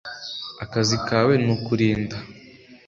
Akazi kawe ni ukurinda